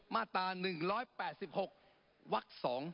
มาตรา๑๘๖วัก๒